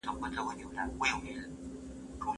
که غوږ وي نو اورېدل نه پاتې کیږي.